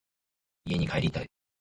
家に帰りたい。